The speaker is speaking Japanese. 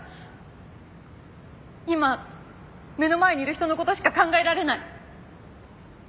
今目の前にいる人の事しか考えられない！